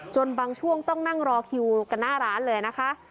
บางช่วงต้องนั่งรอคิวกันหน้าร้านเลยนะคะ